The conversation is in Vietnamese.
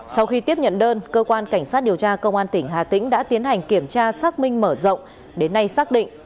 sau khi tiếp nhận đơn cơ quan cảnh sát điều tra công an tỉnh hà tĩnh đã tiến hành kiểm tra xác minh mở rộng đến nay xác định